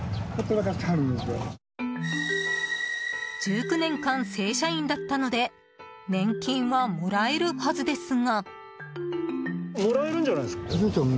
１９年間、正社員だったので年金はもらえるはずですが。